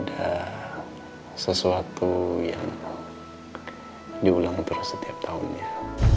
ada sesuatu yang diulang terus setiap tahun ya